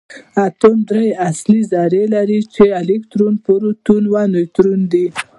اتوم درې اصلي ذرې لري چې الکترون پروټون او نیوټرون دي